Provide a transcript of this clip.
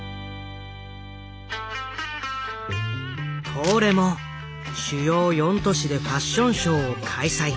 東レも主要４都市でファッションショーを開催。